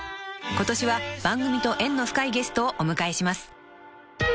［今年は番組と縁の深いゲストをお迎えします］